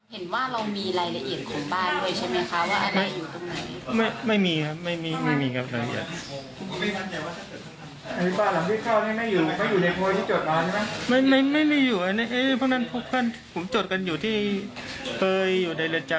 เห็นว่าเรามีรายละเอียดของบ้านด้วยใช่ไหมคะว่าอาม่าอยู่ตรงไหน